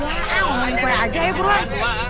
udah lah mau main kue aja ya buruan